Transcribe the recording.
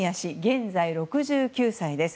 現在、６９歳です。